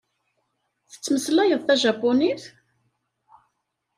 Tettmeslayeḍ tajapunit?